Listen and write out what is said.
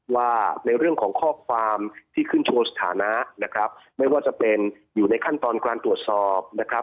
ว่าในเรื่องของข้อความที่ขึ้นโชว์สถานะนะครับไม่ว่าจะเป็นอยู่ในขั้นตอนการตรวจสอบนะครับ